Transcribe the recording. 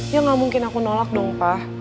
ya gak mungkin aku nolak dong pak